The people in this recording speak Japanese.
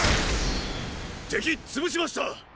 敵潰しましたっ！